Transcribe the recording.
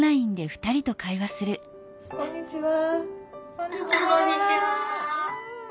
「こんにちは」。